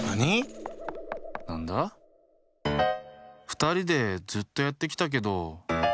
ふたりでずっとやってきたけど。